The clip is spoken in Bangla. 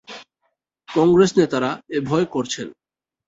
কংগ্রেস নেতারা এ ভয় করছেন।